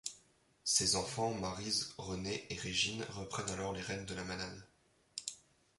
Ses enfants Maryse, René et Régine reprennent alors les rênes de la manade.